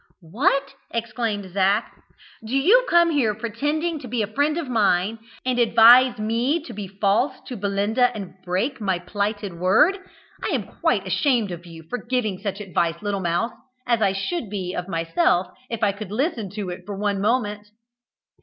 "What!" exclaimed Zac, "do you come here pretending to be a friend of mine, and advise me to be false to Belinda and break my plighted word? I am quite ashamed of you for giving such advice, little mouse; as I should be of myself if I could listen to it for one moment!"